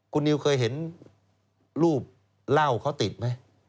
คุณนิวเคยเห็นรูปเหล้าเขาติดไหม